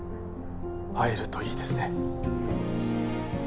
会えるといいですね。